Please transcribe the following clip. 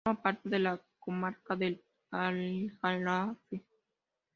Forma parte de la comarca del Aljarafe.